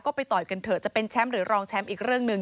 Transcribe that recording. ก็ไปต่อยกันเถอะจะเป็นแชมป์หรือรองแชมป์อีกเรื่องหนึ่ง